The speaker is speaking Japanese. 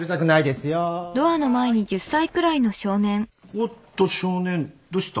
おっと少年どうした？